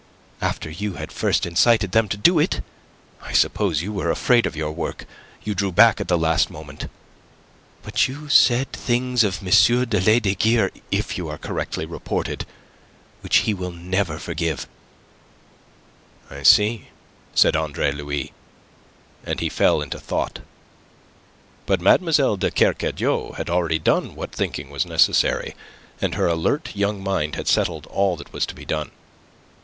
"After you had first incited them to do it. I suppose you were afraid of your work. You drew back at the last moment. But you said things of M. de Lesdiguieres, if you are correctly reported, which he will never forgive." "I see," said Andre Louis, and he fell into thought. But Mlle. de Kercadiou had already done what thinking was necessary, and her alert young mind had settled all that was to be done.